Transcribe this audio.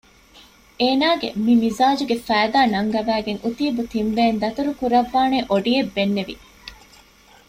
އޭނާގެ މި މިޒާޖުގެ ފައިދާ ނަންގަވައިގެން އުތީބު ތިން ބެއިން ދަތުރު ކުރައްވާނޭ އޮޑިއެއް ބެންނެވި